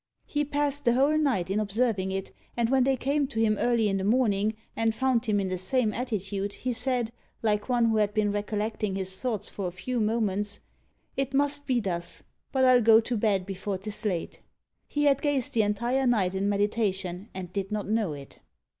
He passed the whole night in observing it, and when they came to him early in the morning, and found him in the same attitude, he said, like one who had been recollecting his thoughts for a few moments, "It must be thus; but I'll go to bed before 'tis late!" He had gazed the entire night in meditation, and did not know it.